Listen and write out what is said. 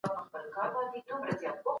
د خلګو ازادي باید خوندي وي.